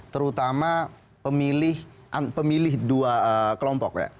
terutama pemilih dua kelompok ya